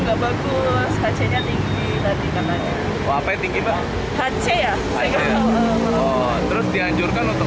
enggak bagus hanya tinggi dan dikarenakan apa yang tinggi pak hace ya terus dihancurkan untuk